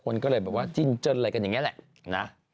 คนก็เลยแบบว่าจิ้นเจิ้นอะไรกันอย่างนี้แหละนะ